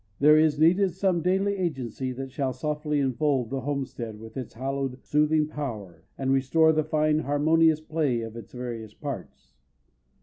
There is needed some daily agency that shall softly enfold the homestead with its hallowed, soothing power, and restore the fine harmonious play of its various parts.